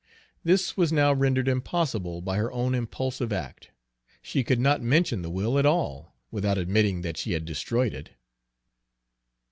This was now rendered impossible by her own impulsive act; she could not mention the will at all, without admitting that she had destroyed it.